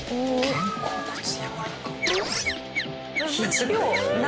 肩甲骨やわらかっ。